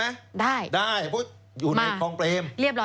ได้มาเรียบร้อยแล้วคุณภูมิอยู่ในคลองเพลม